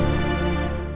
jangan inget ya